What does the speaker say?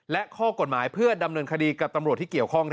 และข้อกฎหมายเพื่อดำเนินคดีกับตำรวจที่เกี่ยวข้อง